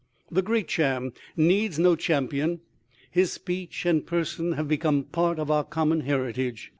The Great Cham needs no champion; his speech and person have become part of our common heritage.